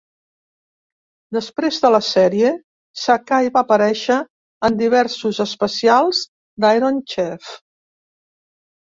Després de la sèrie, Sakai va aparèixer en diversos especials d'"Iron Chef".